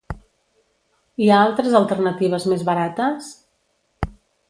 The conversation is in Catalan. Hi ha altres alternatives més barates?